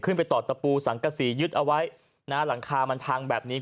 ไปตอดตะปูสังกษียึดเอาไว้นะฮะหลังคามันพังแบบนี้